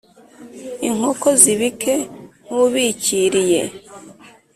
Inkoko zibike nkubikiriye.